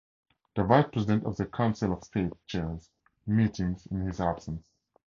The Vice-President of the Council of State chairs meetings in his absence.